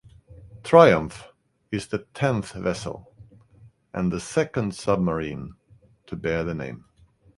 "Triumph" is the tenth vessel, and the second submarine to bear the name.